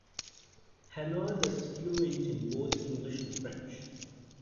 Henault is fluent in both English and French.